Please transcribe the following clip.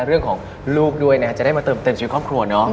เรื่องของลูกด้วยจะได้มาเติมชีวิตครอบครัว